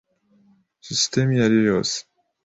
Sisitemu iyo ari yo yose,